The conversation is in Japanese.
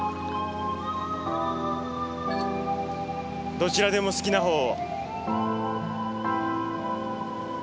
どちらでも好きな方を。